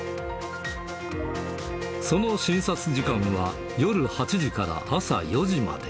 その診察時間は、夜８時から朝４時まで。